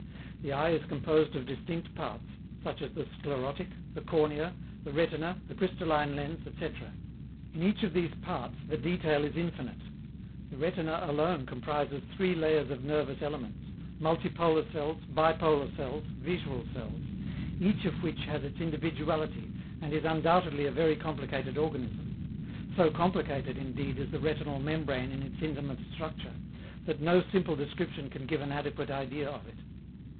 The eye is composed of distinct parts, such as the sclerotic, the cornea, the retina, the crystalline lens, etc. In each of these parts the detail is infinite. The retina alone comprises three layers of nervous elements multipolar cells, bipolar cells, visual cells each of which has its individuality and is undoubtedly a very complicated organism: so complicated, indeed, is the retinal membrane in its intimate structure, that no simple description can give an adequate idea of it.